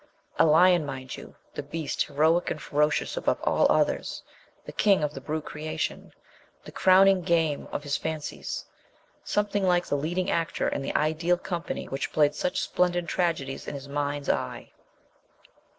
a lion, mind you the beast heroic and ferocious above all others, the King of the Brute Creation, the crowning game of his fancies, something like the leading actor in the ideal company which played such splendid tragedies in his mind's eye.